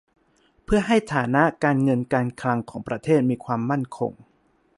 เพื่อให้ฐานะการเงินการคลังของประเทศมีความมั่นคง